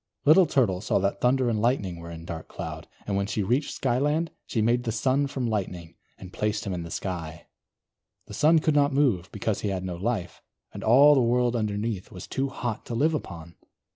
Little Turtle saw that Thunder and Lightning were in Dark Cloud; and when she reached Skyland, she made the Sun from Lightning, and placed him in the Sky. The Sun could not move, because he had no life, and all the world underneath was too hot to live upon.